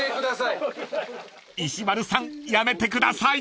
［石丸さんやめてください！］